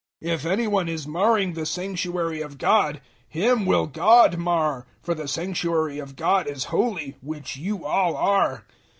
003:017 If any one is marring the Sanctuary of God, him will God mar; for the Sanctuary of God is holy, which you all are.